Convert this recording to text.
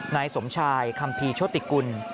นายสมชายคัมภีร์โชติกุล